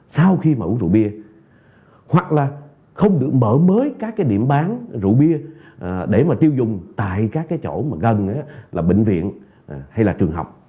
sau khi mà uống rượu bia hoặc là không được mở mới các cái điểm bán rượu bia để mà tiêu dùng tại các cái chỗ mà gần là bệnh viện hay là trường học